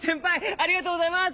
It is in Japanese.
ありがとうございます。